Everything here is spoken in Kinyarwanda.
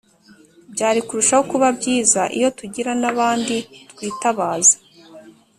byari kurushaho kuba byiza iyo tugira n'abandi twitabaza